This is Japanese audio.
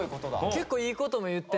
結構いいことも言ってて。